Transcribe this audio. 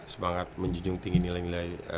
semangat menjunjung tinggi nilai nilai